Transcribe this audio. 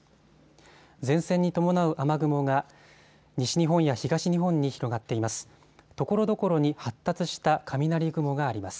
前線に伴う雨雲が西日本や東日本に広がっています。